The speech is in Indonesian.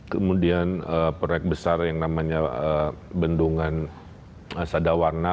kemudian proyek besar yang namanya bendungan sadawarna